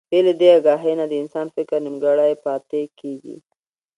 بې له دې اګاهي نه د انسان فکر نيمګړی پاتې کېږي.